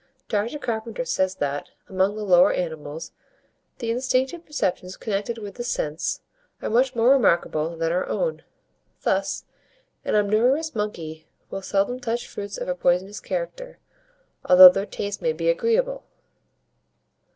Dr. Carpenter says, that, among the lower animals, the instinctive perceptions connected with this sense, are much more remarkable than our own; thus, an omnivorous monkey will seldom touch fruits of a poisonous character, although their taste may be agreeable.